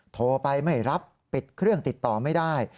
โทรไปไม่รับปิดเครื่องติดต่อไม่ได้